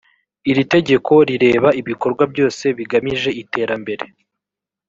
iri tegeko rireba ibikorwa byose bigamije iterambere